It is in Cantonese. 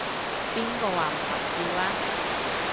邊個話唔合照啊？